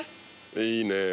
いいね。